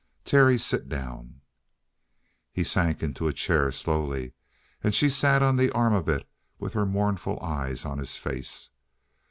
"Terry, sit down!" He sank into a chair slowly. And she sat on the arm of it with her mournful eyes on his face.